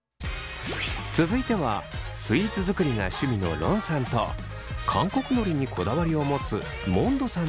続いてはスイーツ作りが趣味のロンさんと韓国のりにこだわりを持つモンドさんのペア。